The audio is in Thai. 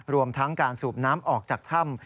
รวมทั้งการสูบน้ำออกจากถ้ำ